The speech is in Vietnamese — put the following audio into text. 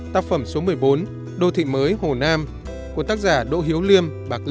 tác phẩm số một mươi bốn đô thị mới hồ nam của tác giả đỗ hiếu liêm